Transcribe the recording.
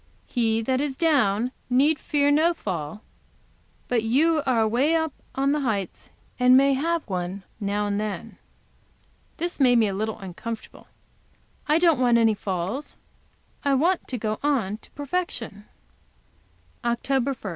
'He that is down need fear no fall'; but you are away up on the heights, and may have one, now and then." This made me a little uncomfortable. I don't want any falls. I want to go on to perfection. OCT. 1.